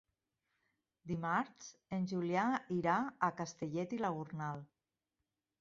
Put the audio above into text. Dimarts en Julià irà a Castellet i la Gornal.